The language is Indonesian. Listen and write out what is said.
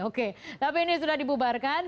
oke tapi ini sudah dibubarkan